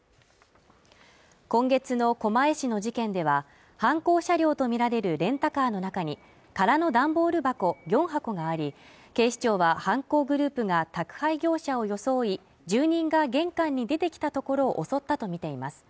今月の狛江市の事件では犯行車両と見られるレンタカーの中に空の段ボール箱４箱があり警視庁は犯行グループが宅配業者を装い住人が玄関に出てきたところを襲ったとみています